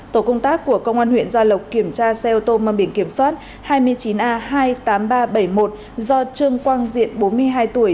tổ công tác của công an huyện gia lộc kiểm tra xe ô tô mang biển kiểm soát hai mươi chín a hai mươi tám nghìn ba trăm bảy mươi một do trương quang diện bốn mươi hai tuổi